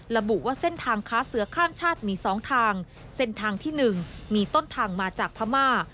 ระบุว่าเส้นทางค้าเสือข้ามชาติมี๒ทางเส้นทางที่๑มีต้นทางมาจากพม่า